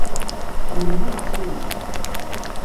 Tḥemmlem iɣersiwen?